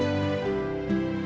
ya kita ke sekolah